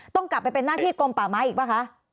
ต้องกลับไปเป็นหน้าที่กลมป่าไม้อีกป่ะคะ